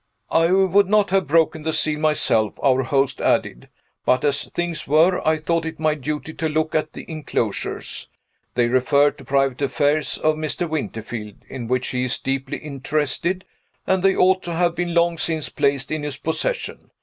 "I would not have broken the seal myself," our host added. "But, as things were, I thought it my duty to look at the inclosures. They refer to private affairs of Mr. Winterfield, in which he is deeply interested, and they ought to have been long since placed in his possession.